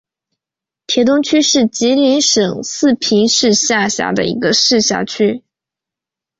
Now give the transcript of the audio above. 铁东区是吉林省四平市下辖的一个市辖区。